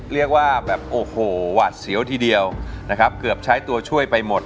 เรียกว่าแบบโอ้โหหวาดเสียวทีเดียวนะครับเกือบใช้ตัวช่วยไปหมด